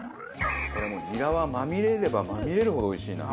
これもうニラはまみれればまみれるほどおいしいな。